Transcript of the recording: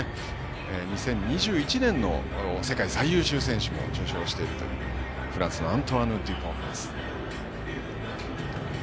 ２０２１年の世界最優秀選手も受賞しているというフランスのアントワーヌ・デュポン。